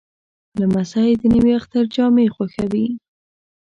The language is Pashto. لمسی د نوي اختر جامې خوښوي.